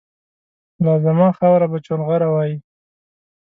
لازما خاوره به چونغره وایي